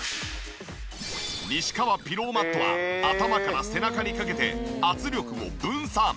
西川ピローマットは頭から背中にかけて圧力を分散。